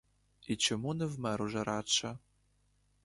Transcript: І чому не вмер уже радше!